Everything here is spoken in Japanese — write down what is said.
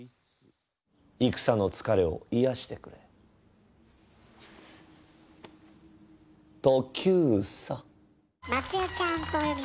戦の疲れを癒やしてくれトキューサ。